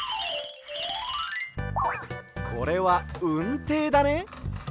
これはうんていだね。